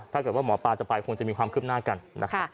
ถ้าเกิดว่าหมอปลาจะไปคงจะมีความคืบหน้ากันนะคะ